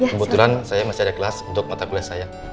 kebetulan saya masih ada kelas untuk mata kuliah saya